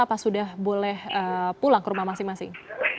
apa sudah boleh pulang ke rumah masing masing